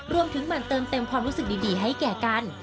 หมั่นเติมเต็มความรู้สึกดีให้แก่กัน